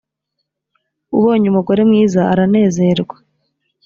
ubonye umugore mwiza aranezerwa